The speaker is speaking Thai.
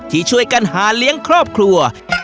ที่ช่วยกันหาเลี้ยงครอบครัว